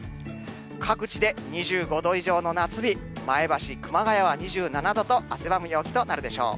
各地で２５度以上の夏日、前橋、熊谷は２７度と汗ばむ陽気となるでしょう。